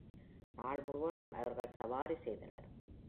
நாள் முழுவதும் அவர்கள் சவாரி செய்தனர்.